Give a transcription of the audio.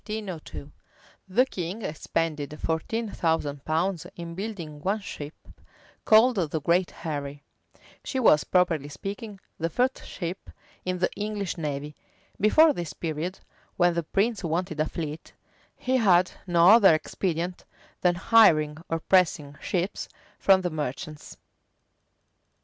[*] The king expended fourteen thousand pounds in building one ship, called the Great Harry.[] She was, properly speaking, the first ship in the English navy. Before this period, when the prince wanted a fleet, he had no other expedient than hiring or pressing ships from the merchants. * Rymer, vol. xiii. p. 37. Stowe, p. 484.